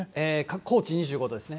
高知２５度ですね。